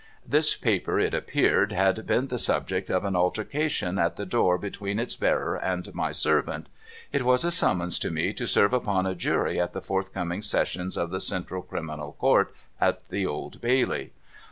This paper, it appeared, had been the subject of an altercation at the door between its bearer and my servant. It was a summons to me to serve upon a Jury at the forthcoming Sessions of the Central Criminal Court at the Old Bailey.